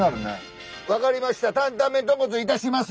分かりました！